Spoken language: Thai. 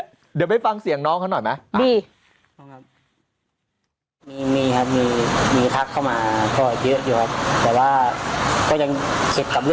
ค่ะเดี๋ยวไปฟังเสียงน้องเขาหน่อยไหมอ่ะดีน้องครับ